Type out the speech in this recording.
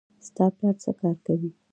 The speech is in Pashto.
ستا پلار څه کار کوي